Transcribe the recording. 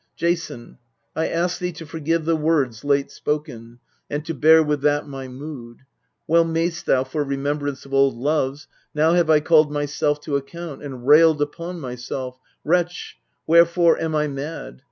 Jason, I ask thee to forgive the words Late spoken, and' to bear with that my mood : Well mayst thou, for remembrance of old loves. Now have I called myself to account, and railed Upon myself: " Wretch, wherefore am I mad?